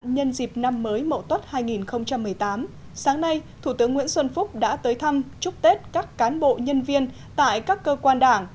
nhân dịp năm mới mậu tuất hai nghìn một mươi tám sáng nay thủ tướng nguyễn xuân phúc đã tới thăm chúc tết các cán bộ nhân viên tại các cơ quan đảng